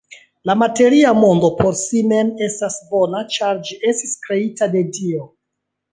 La materia mondo, por si mem, estas bona, ĉar ĝi estis kreita de Dio.